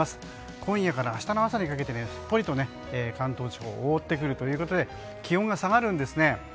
今夜から明日のかけてすっぽりと関東地方を覆ってくるということで気温が下がるんです。